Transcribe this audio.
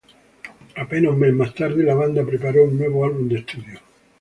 Apenas un mes más tarde, la banda prepara un nuevo álbum de estudio.